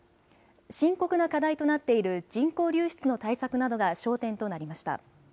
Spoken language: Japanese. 深刻な課題となっている、人口流出の対策などが焦点となりました。